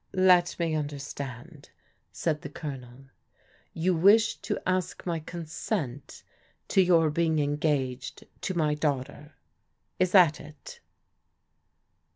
"Let me understand," said the Colonel. "You wish to ask my consent to your being engaged to my daugh ter? Is that it?"